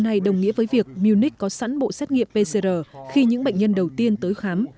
này đồng nghĩa với việc munich có sẵn bộ xét nghiệm pcr khi những bệnh nhân đầu tiên tới khám